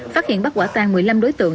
phát hiện bắt quả tan một mươi năm đối tượng